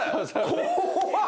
怖っ！